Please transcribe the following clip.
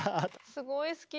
すごい好き